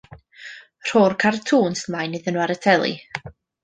Rho'r cartŵns mlaen iddyn nhw ar y teli.